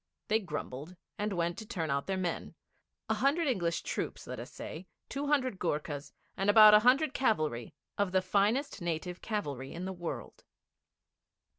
They grumbled, and went to turn out their men a hundred English troops, let us say, two hundred Goorkhas, and about a hundred cavalry of the finest native cavalry in the world.